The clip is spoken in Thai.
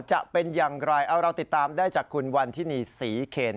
จะเป็นอย่างไรเอาเราติดตามได้จากคุณวันทินีศรีเคน